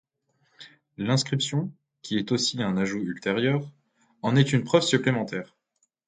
L'inscription, qui est aussi un ajout ultérieur, en est une preuve supplémentaire.